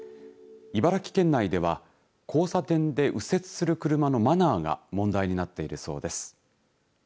茨城県内では交差点で右折する車のマナーが問題になっているそうです。